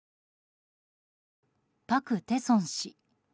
パク・テソン氏。